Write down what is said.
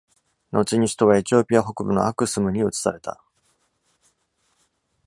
後に首都はエチオピア北部のアクスムに移された。